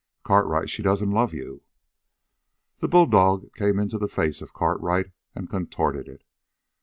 "Cartwright, she doesn't love you." The bulldog came into the face of Cartwright and contorted it.